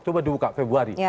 coba dibuka februari